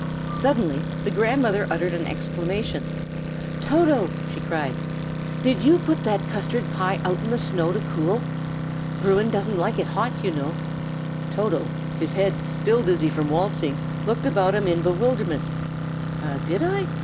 Suddenly the grandmother uttered an exclamation. "Toto!" she cried, "did you put that custard pie out in the snow to cool? Bruin doesn't like it hot, you know." Toto, his head still dizzy from waltzing, looked about him in bewilderment. "Did I?"